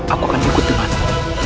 aku akan ikut denganmu